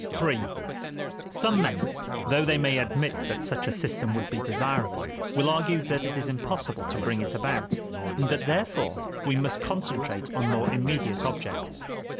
III Some men, though they may admit that such a system would be desirable, will argue that it is impossible to bring it about, and that therefore we must concentrate on more immediate objects.